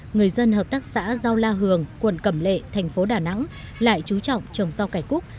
người dân hợp tác xã rau la hường quận cẩm lệ thành phố đà nẵng lại chú trọng trồng rau cải cúc